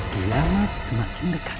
di laut semakin dekat